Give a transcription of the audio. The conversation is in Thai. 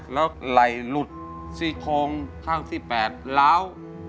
แล้วไหล่หลุดซี่โครงข้างที่๘ล้าว